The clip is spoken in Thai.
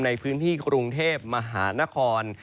ในพื้นที่กรุงเทพมหานคร